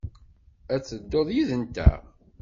Ad tedduḍ yid-nteɣ?